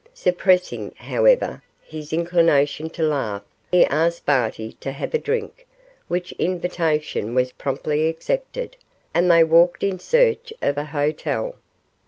Suppressing, however, his inclination to laugh, he asked Barty to have a drink, which invitation was promptly accepted, and they walked in search of a hotel.